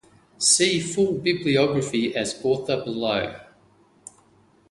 See full bibliography as author below.